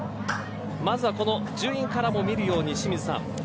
まずはこの順位からも見るように清水さん